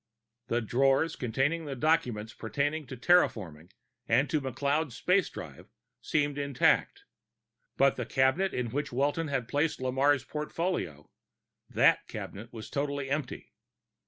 The drawers containing the documents pertaining to terraforming and to McLeod's space drive seemed intact. But the cabinet in which Walton had placed Lamarre's portfolio that cabinet was totally empty!